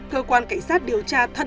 cơ quan cảnh sát điều tra thân thiện